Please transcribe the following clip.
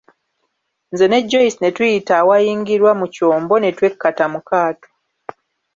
Nze ne Joyce ne tuyita awayingirwa mu kyombo ne twekkata mu kaato.